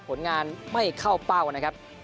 ผลงานไม่เข้าเป้านะครับ